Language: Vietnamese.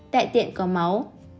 tại tiện có máu